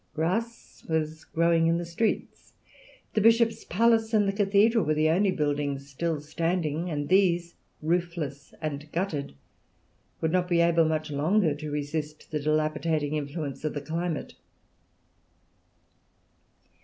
Grass was growing in the streets, the bishop's palace and the cathedral were the only buildings still standing, and these, roofless and gutted, would not be able much longer to resist the dilapidating influence of the climate.